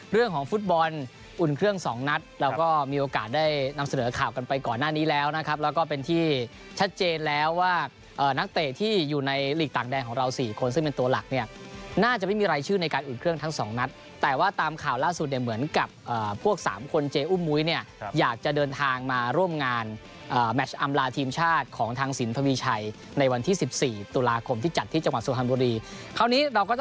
เรื่องของฟุตบอลอุ่นเครื่องสองนัดเราก็มีโอกาสได้นำเสนอข่าวกันไปก่อนหน้านี้แล้วนะครับแล้วก็เป็นที่ชัดเจนแล้วว่านักเตะที่อยู่ในหลีกต่างแดงของเราสี่คนซึ่งเป็นตัวหลักเนี่ยน่าจะไม่มีรายชื่อในการอุ่นเครื่องทั้งสองนัดแต่ว่าตามข่าวล่าสุดเนี่ยเหมือนกับพวกสามคนเจอุ้มมุ้ยเนี่ยอยากจะเดินทางมาร่วมงาน